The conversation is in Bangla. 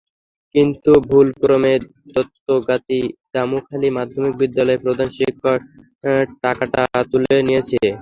কিন্তু ভুলক্রমে দত্তগাতী দামুখালী মাধ্যমিক বিদ্যালয়ের প্রধান শিক্ষক টাকাটা তুলে নিয়েছেন।